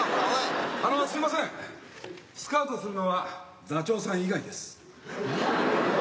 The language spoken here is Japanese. あのすみませんスカウトするのは座長さん以外です。